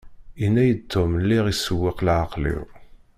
Yenna-yi-d Tom lliɣ isewweq leεqel-iw.